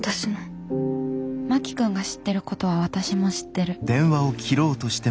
真木君が知ってることは私も知ってる。